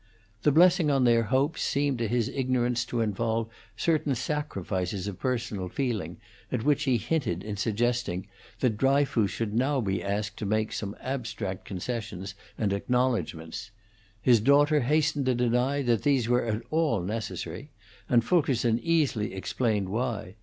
The blessing on their hopes seemed to his ignorance to involve certain sacrifices of personal feeling at which he hinted in suggesting that Dryfoos should now be asked to make some abstract concessions and acknowledgments; his daughter hastened to deny that these were at all necessary; and Fulkerson easily explained why.